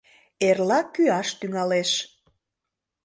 Эрла кӱаш тӱҥалеш...